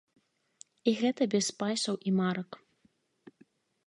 І гэта без спайсаў і марак.